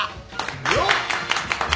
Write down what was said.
よっ！